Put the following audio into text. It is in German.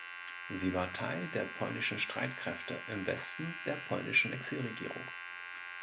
Sie war Teil der Polnischen Streitkräfte im Westen der polnischen Exilregierung.